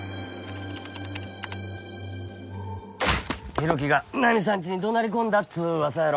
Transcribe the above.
浩喜がナミさんちに怒鳴り込んだっつう噂やろ。